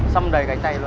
sâm đầy cánh tay luôn